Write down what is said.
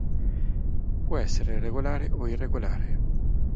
Può essere regolare o irregolare.